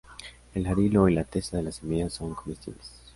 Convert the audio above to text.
El arilo y la testa de la semilla son comestibles.